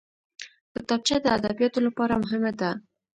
کتابچه د ادبیاتو لپاره مهمه ده